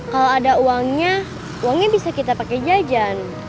kalau ada uangnya uangnya bisa kita pakai jajan